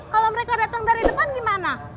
kalo mereka dateng dari depan gimana